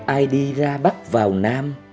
ai đi ra bắc vào nam